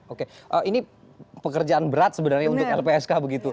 oke ini pekerjaan berat sebenarnya untuk lpsk begitu